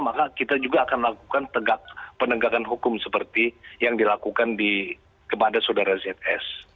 maka kita juga akan melakukan penegakan hukum seperti yang dilakukan kepada saudara zs